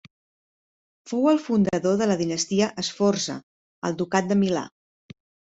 Fou el fundador de la dinastia Sforza al Ducat de Milà.